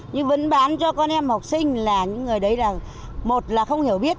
nhưng vẫn bán cho con em học sinh là những người đấy là một là không hiểu biết